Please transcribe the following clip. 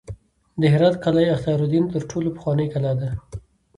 د هرات قلعه اختیارالدین تر ټولو پخوانۍ کلا ده